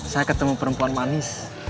saya ketemu perempuan manis